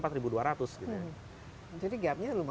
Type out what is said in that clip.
jadi gap nya lumayan